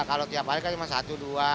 kalau tiap hari kan cuma satu dua